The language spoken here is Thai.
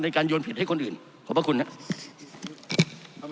การโยนผิดให้คนอื่นขอบพระคุณครับ